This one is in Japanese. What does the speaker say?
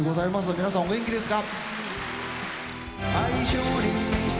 皆さん、お元気ですか？